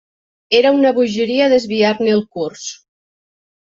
Era una bogeria desviar-ne el curs.